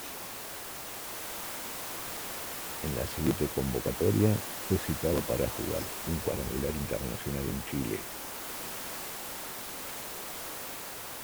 En la siguiente convocatoria, fue citado para jugar un cuadrangular internacional en Chile.